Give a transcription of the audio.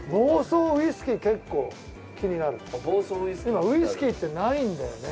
今ウイスキーってないんだよね。